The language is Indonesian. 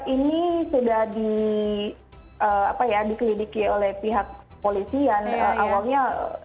ini sudah dikelidiki oleh pihak polisi yang awalnya